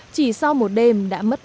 chỉ sau một đêm